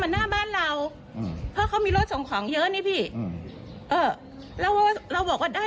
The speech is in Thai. มาหน้าบ้านเราเพราะเขามีรถส่งของเยอะนี้พี่เราบอกว่าได้